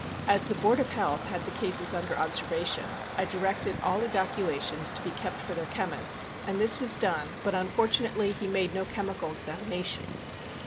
As the Board of Health had the cases under observation, I directed all evacuations to be kept for their chemist, and this was done, but unfortunately he made no chemical examination.